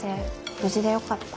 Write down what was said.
無事でよかった。